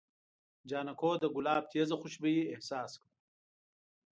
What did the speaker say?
جانکو د ګلاب تېزه خوشبويي احساس کړه.